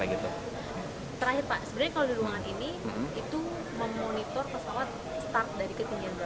terakhir pak sebenarnya kalau di ruangan ini itu memonitor pesawat start dari ketinggian